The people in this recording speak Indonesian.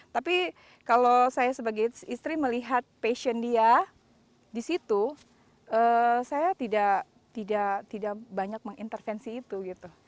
tapi kalau saya sebagai istri melihat passion dia di situ saya tidak banyak mengintervensi itu gitu